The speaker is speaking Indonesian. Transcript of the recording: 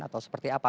atau seperti apa